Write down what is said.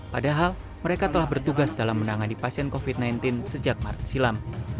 padahal mereka telah bertugas dalam menangani pasien covid sembilan belas sejak maret silam